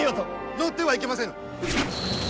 乗ってはいけませぬ！